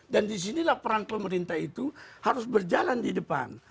disinilah peran pemerintah itu harus berjalan di depan